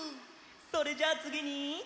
それじゃあつぎに。